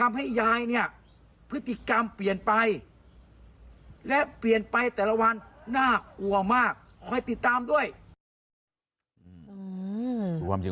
ไม่อยากให้แม่เป็นอะไรไปแล้วนอนร้องไห้แท่ทุกคืน